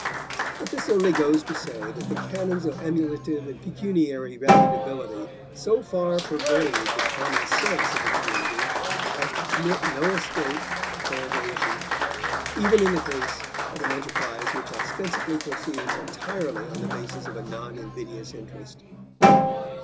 But this only goes to say that the canons of emulative and pecuniary reputability so far pervade the common sense of the community as to permit no escape or evasion, even in the case of an enterprise which ostensibly proceeds entirely on the basis of a non invidious interest.